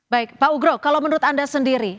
baik pak ugro kalau menurut anda sendiri